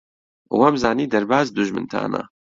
وامزانی دەرباز دوژمنتانە.